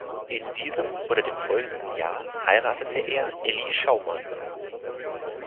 In diesem oder dem folgenden Jahr heiratete er Elly Schaumann.